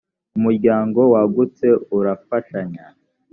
umuryango wagutse urafashanya.